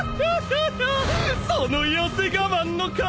その痩せ我慢の顔